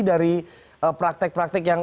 dari praktek praktek yang